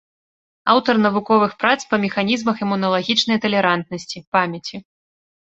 Аўтар навуковых прац па механізмах імуналагічнай талерантнасці, памяці.